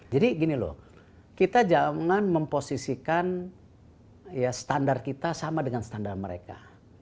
gini loh kita jangan memposisikan ya standar kita sama dengan standar mereka